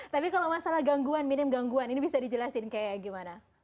tapi kalau masalah gangguan minim gangguan ini bisa dijelasin kayak gimana